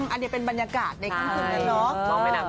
อันนี้เป็นบรรยากาศในค่ำคืนนั้นเนาะ